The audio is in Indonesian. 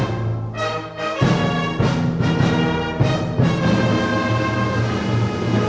lagu kebangsaan indonesia raya